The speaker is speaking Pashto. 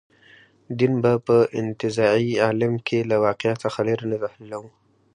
دین به په انتزاعي عالم کې له واقع څخه لرې نه تحلیلوو.